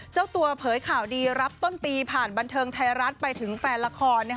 เจ้าตัวเผยข่าวดีรับต้นปีผ่านบันเทิงไทยรัฐไปถึงแฟนละคร